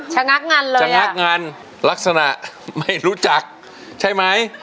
งักงานเหรอชะงักงานลักษณะไม่รู้จักใช่ไหม